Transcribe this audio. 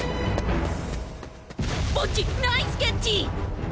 ボッジナイスキャッチ！